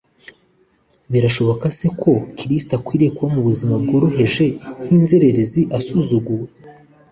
Birashoboka se koko ko Kristo akwinye kuba mu buzima bworoheje nk'inzererezi asuzuguwe,